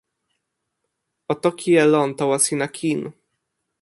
o toki e lon tawa sina kin.